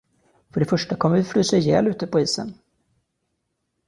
För det första kommer vi att frysa ihjäl ute på isen.